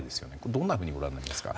どんなふうにご覧になりますか？